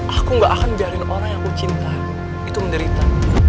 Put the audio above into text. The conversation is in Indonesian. aku gak akan biarin orang yang aku cintai itu menderita